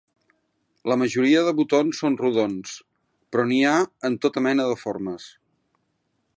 La majoria de botons són rodons, però n'hi ha en tota mena de formes.